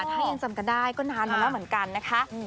ถ้ายังจำกันได้ก็นานมาแล้วเหมือนกันนะคะ